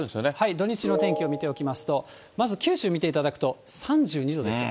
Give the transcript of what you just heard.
土日の天気を見ておきますと、まず九州見ていただくと３２度ですよ。